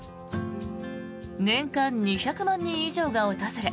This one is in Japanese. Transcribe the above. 年間２００万人以上が訪れ